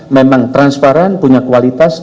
memang transparan punya kualitas